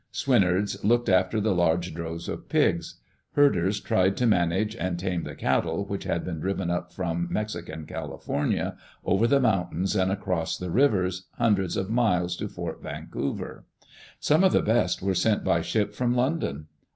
Swineherds looked after die large droves of pigs. Herders tried to manage and tame the cattle which had been driven up from Mexican Cali fornia, over the mountains and across the rivers, hundreds of miles, to Fort Vancouver. Some of the best were sent by ship from London.